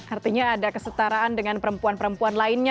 artinya ada kesetaraan dengan perempuan perempuan lainnya